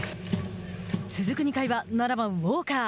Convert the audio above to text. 続く２回は、７番ウォーカー。